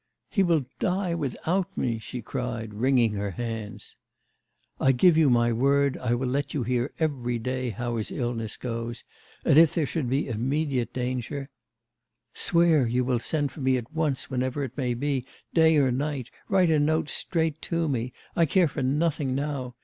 'He will die without me,' she cried, wringing her hands. 'I give you my word I will let you hear every day how his illness goes on, and if there should be immediate danger ' 'Swear you will send for me at once whenever it may be, day or night, write a note straight to me I care for nothing now.